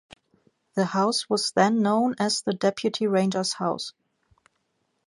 The house was then known as the Deputy Ranger's House.